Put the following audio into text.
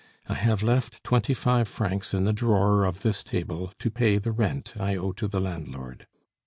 I have left twenty five francs in the drawer of this table to pay the rent I owe to the landlord.